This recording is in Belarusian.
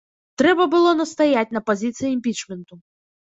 Трэба было настаяць на пазіцыі імпічменту.